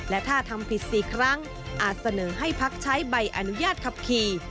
และถ้าทำผิด๔ครั้งอาจเสนอให้พักใช้ใบอนุญาตขับขี่